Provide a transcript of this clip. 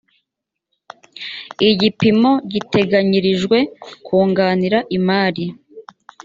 igipimo giteganyirijwe kunganira imari